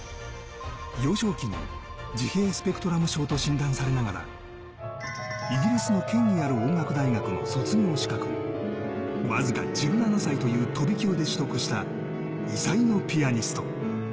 幼少期に自閉スペクトラム症と診断されながら、イギリスの権威ある音楽大学の卒業資格をわずか１７歳という飛び級で取得した異才のピアニスト。